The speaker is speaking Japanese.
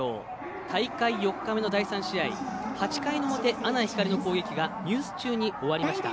大会４日目の第３試合８回の表、阿南光の攻撃がニュース中に終わりました。